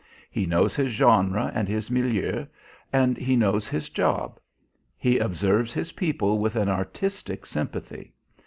He knows his genre and his milieu, and he knows his job. He observes his people with an artistic sympathy.